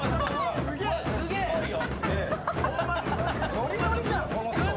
ノリノリじゃん